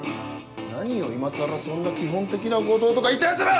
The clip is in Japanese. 何を今更そんな基本的なことをとか言ったヤツら！